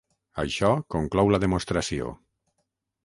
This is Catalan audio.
Això conclou la demostració.